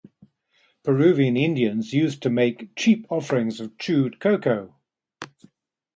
Peruvian Indians used to make cheap offerings of chewed coca.